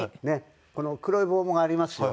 この黒い棒がありますよ。